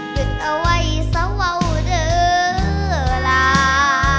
หยุดเอาไว้สวเด้อลา